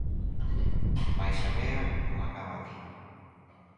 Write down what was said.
Mais a lea non acaba aquí.